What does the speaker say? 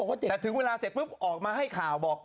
แต่ถึงเวลาเสร็จปุ๊บออกมาให้ข่าวบอก